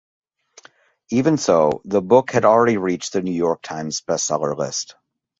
Even so, the book had already reached the "New York Times" bestseller list.